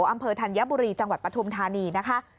อำเภอธัญบุรีจังหวัดปฐุมธานีนะคะ